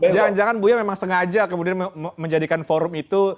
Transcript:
jangan jangan buya memang sengaja kemudian menjadikan forum itu